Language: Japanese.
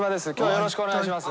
よろしくお願いします。